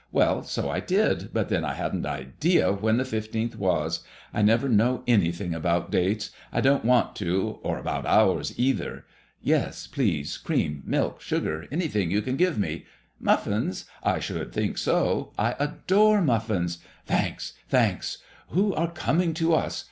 Well, so I did, but then I hadn't an idea when the fifteenth was. I never know anything about dates. I don't want to, or about hours either. Yes, please. Cream, milk, sugar, everything you can give me. Muffins ? 1 should think so. 1 adore muffins. Thanks, thanks 1 Who are coming to us?